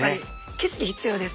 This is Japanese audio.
景色必要です